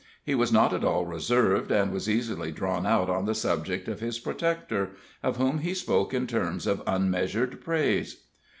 He was not at all reserved, and was easily drawn out on the subject of his protector, of whom he spoke in terms of unmeasured praise.